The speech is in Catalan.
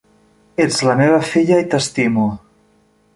Ets la meva filla i t'estimo.